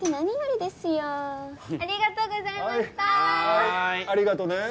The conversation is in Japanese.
はいありがとね。